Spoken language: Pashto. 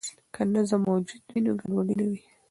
که نظم موجود وي، نو ګډوډي نه وي.